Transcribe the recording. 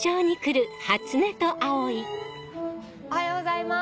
おはようございます。